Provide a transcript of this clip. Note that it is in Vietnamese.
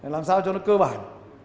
làm sao cho nó cơ bản